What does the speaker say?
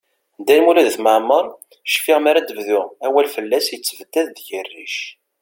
Dda Lmud At Mɛemmeṛ, cfiɣ mi ara d-bdu awal fell-as, yettebdad deg-i rric.